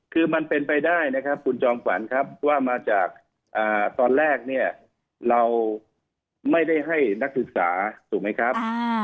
คือมันเป็นไปได้นะครับคุณจอมขวัญครับว่ามาจากตอนแรกเนี่ยเราไม่ได้ให้นักศึกษาถูกไหมครับ